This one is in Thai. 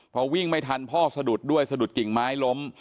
พอวิ่งไม่ทันพ่อสะดุดด้วยสะดุดกิ่งไม้ล้ม